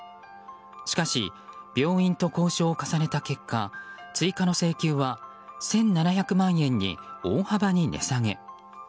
しかし、病院と交渉を重ねた結果追加の請求は１７００万円に大幅に値下げ。